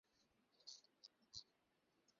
কখনও কখনও এসবের পরিবর্তে "হাদীস" শব্দটি ব্যবহৃত হত।